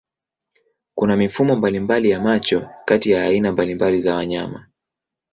Kuna mifumo mbalimbali ya macho kati ya aina mbalimbali za wanyama.